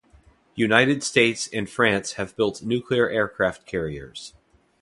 United States and France have built nuclear aircraft carriers.